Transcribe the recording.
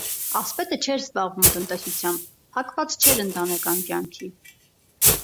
Ասպետը չէր զբաղվում տնտեսությամբ, հակված չէր ընտանեկան կյանքի։